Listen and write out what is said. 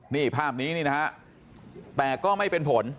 นี่ภาพนี้นี่นะฮะแต่ก็ไม่เป็นผล